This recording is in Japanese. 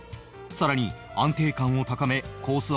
さらに安定感を高めコース